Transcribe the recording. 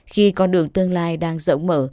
khi con đường tương lai đang rỗng mở